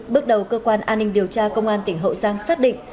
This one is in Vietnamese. bước đầu cơ quan an ninh điều tra công an tỉnh hậu giang xác định